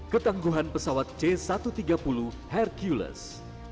ketangguhan pesawat c satu ratus tiga puluh hercules